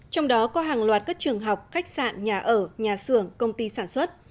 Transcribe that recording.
trong đó có hàng loạt các trường học khách sạn nhà ở nhà xưởng công ty sản xuất